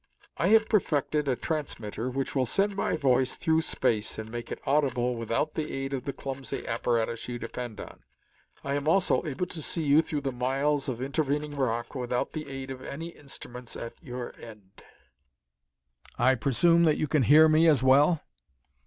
"I have perfected a transmitter which will send my voice through space and make it audible without the aid of the clumsy apparatus you depend on. I am also able to see you through the miles of intervening rock without the aid of any instruments at your end." "I presume that you can hear me as well?"